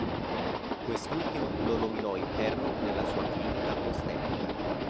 Quest'ultimo lo nominò interno nella sua clinica ostetrica.